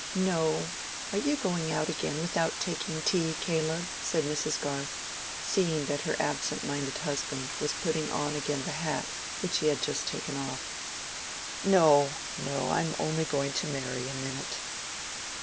"No. Are you going out again without taking tea, Caleb?" said Mrs. Garth, seeing that her absent minded husband was putting on again the hat which he had just taken off. "No, no; I'm only going to Mary a minute."